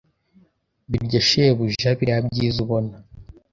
birya shebuja biriya byiza ubona